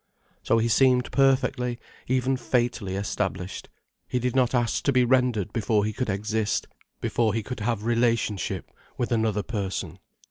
So he seemed perfectly, even fatally established, he did not ask to be rendered before he could exist, before he could have relationship with another person.